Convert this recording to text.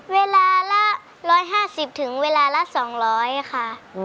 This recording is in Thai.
เวลาละ๑๕๐ถึงเวลาละ๒๐๐ค่ะ